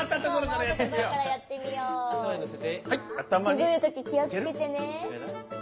くぐるとききをつけてね。